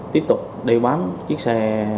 tiếp tục đeo bám chiếc xe